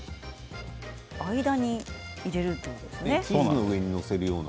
間に入れるということですね。